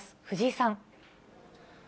藤井さん。